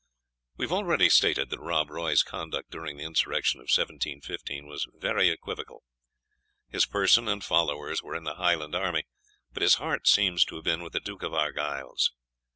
We have already stated that Rob Roy's conduct during the insurrection of 1715 was very equivocal. His person and followers were in the Highland army, but his heart seems to have been with the Duke of Argyle's.